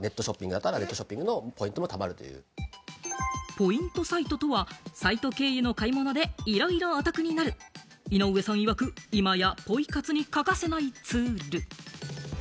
ポイントサイトとは、サイト経由の買い物でいろいろお得になる井上さんいわく、今やポイ活に欠かせないツール。